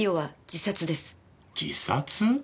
自殺？